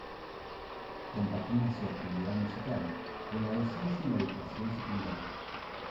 Compagina su actividad musical con la docencia en la educación secundaria.